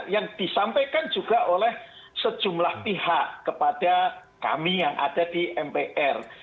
yang disampaikan juga oleh sejumlah pihak kepada kami yang ada di mpr